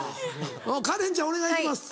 カレンちゃんお願いします。